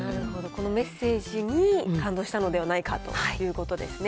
このメッセージに感動したのではないかということですね。